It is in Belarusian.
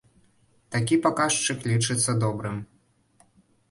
Такі паказчык лічыцца добрым.